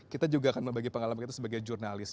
kita juga akan membagi pengalaman kita sebagai jurnalis